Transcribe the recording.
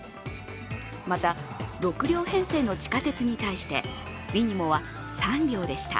また６両編成の地下鉄に対してリニモは３両でした。